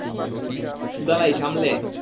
সুদালাই, সামলে।